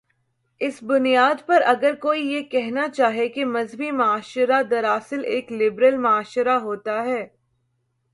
اس بنیاد پر اگر کوئی یہ کہنا چاہے کہ مذہبی معاشرہ دراصل ایک لبرل معاشرہ ہوتا ہے۔